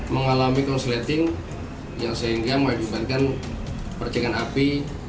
mengalami konsulating yang sehingga mengalihkan percikan api